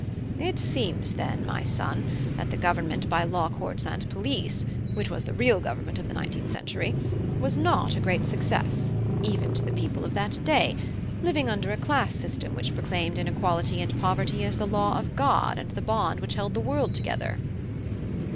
(H.) It seems, then, my son, that the government by law courts and police, which was the real government of the nineteenth century, was not a great success even to the people of that day, living under a class system which proclaimed inequality and poverty as the law of God and the bond which held the world together.